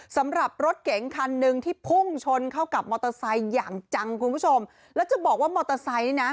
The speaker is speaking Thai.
สำหรับรถเก๋งคันหนึ่งที่พุ่งชนเข้ากับมอเตอร์ไซค์อย่างจังคุณผู้ชมแล้วจะบอกว่ามอเตอร์ไซค์นี่นะ